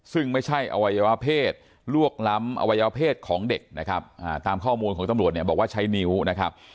ซึ่งไม่ใช่อวัยวะเพศลวกล้ำอวัยวเพศของเด็กนะครับตามข้อมูลของตำรวจเนี่ยบอกว่าใช้นิ้วนะครับ